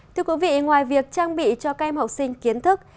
thưa quý vị ngoài việc trang bị cho các em học sinh kiến thức